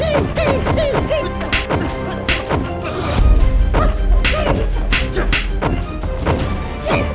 ada seorang masyarakat bersama kami